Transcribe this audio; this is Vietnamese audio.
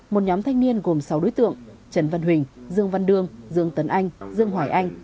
một nhóm thanh niên gồm sáu đối tượng trần văn huỳnh dương văn đương dương tấn anh dương hoài anh